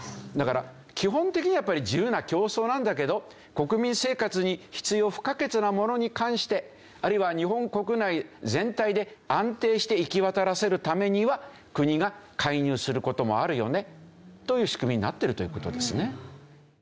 だから基本的にはやっぱり自由な競争なんだけど国民生活に必要不可欠なものに関してあるいは日本国内全体で安定して行き渡らせるためには国が介入する事もあるよねという仕組みになってるという事ですね。